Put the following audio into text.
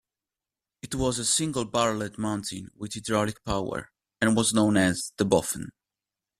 It was a single-barreled mounting with hydraulic power, and was known as the "Boffin".